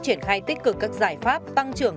triển khai tích cực các giải pháp tăng trưởng